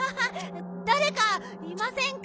だれかいませんか？